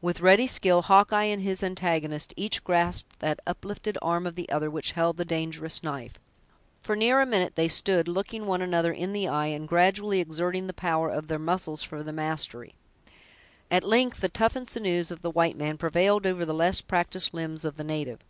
With ready skill, Hawkeye and his antagonist each grasped that uplifted arm of the other which held the dangerous knife. For near a minute they stood looking one another in the eye, and gradually exerting the power of their muscles for the mastery. At length, the toughened sinews of the white man prevailed over the less practiced limbs of the native.